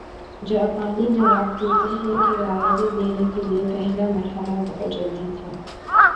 جاپانی جواب دیتے ہیں کہ رعایتیں دینے کے لیے پہلا مرحلہ بہت جلدی تھا